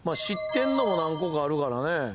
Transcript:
知ってんのも何個かあるからね。